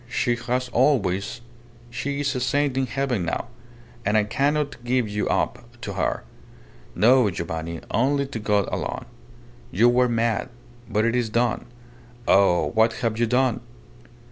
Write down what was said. She has always ... She is a saint in heaven now, and I cannot give you up to her. No, Giovanni. Only to God alone. You were mad but it is done. Oh! what have you done?